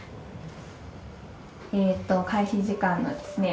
えーっと開始時間のですね